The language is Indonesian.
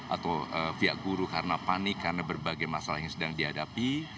atau pihak guru karena panik karena berbagai masalah yang sedang dihadapi